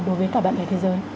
đối với cả bạn bè thế giới